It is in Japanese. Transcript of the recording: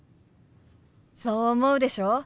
そう思うでしょ？